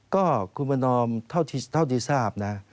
ก็คุณประนอมเท่าที่ทราบนะ